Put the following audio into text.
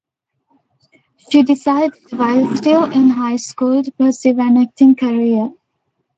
She decided, while still in high school, to pursue an acting career.